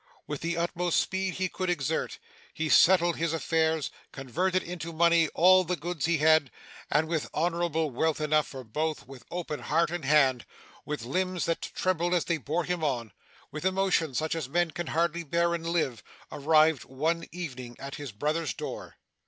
With the utmost speed he could exert, he settled his affairs; converted into money all the goods he had; and, with honourable wealth enough for both, with open heart and hand, with limbs that trembled as they bore him on, with emotion such as men can hardly bear and live, arrived one evening at his brother's door!